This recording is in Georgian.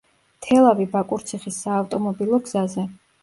თელავი–ბაკურციხის საავტომობილო გზაზე.